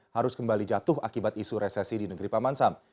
harus kembali jatuh akibat isu resesi di negeri paman sam